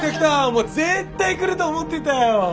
もう絶対来ると思ってたよ。